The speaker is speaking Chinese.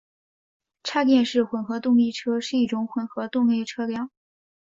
插电式混合动力车是一种混合动力车辆。